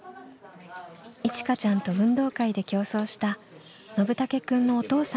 いちかちゃんと運動会で競争したのぶたけくんのお父さんです。